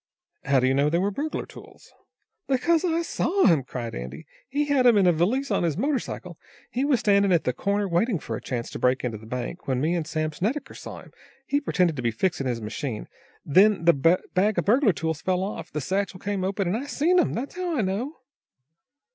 "How do you know they were burglar tools?" "Because I saw 'em!" cried Andy. "He had 'em in a valise on his motor cycle. He was standing at the corner, waiting for a chance to break into the bank, and when me and Sam Snedecker saw him, he pretended to be fixin' his machine. Then the bag of burglar tools fell off, the satchel came open, and I seen 'em! That's how I know."